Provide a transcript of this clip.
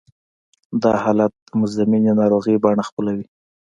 دا حالت د مزمنې ناروغۍ بڼه خپلوي